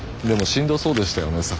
でもしんどそうでしたよね